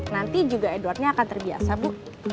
nanti juga edwardnya akan terbiasa bu